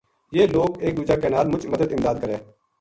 یہ لوک ایک دُوجا کے نال مُچ مدد امداد کرے